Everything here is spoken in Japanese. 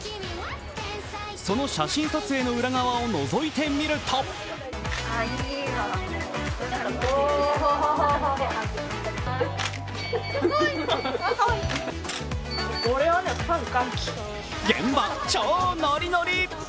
その写真撮影の裏側をのぞいてみると現場、超ノリノリ！